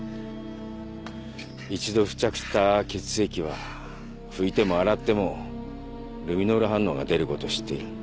一度付着した血液はふいても洗ってもルミノール反応が出ること知っている。